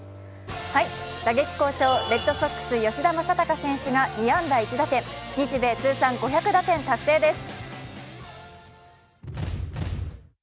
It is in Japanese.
打撃好調、レッドソックス・吉田正尚選手が２安打１打点、日米通算５００打点達成です。